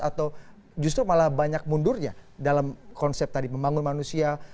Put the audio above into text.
atau justru malah banyak mundurnya dalam konsep tadi membangun manusia